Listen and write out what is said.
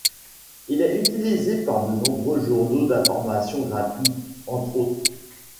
Il est utilisé par de nombreux journaux d'information gratuits, entre autres.